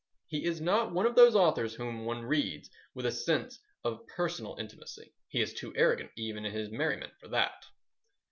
He is not one of those authors whom one reads with a sense of personal intimacy. He is too arrogant even in his merriment for that.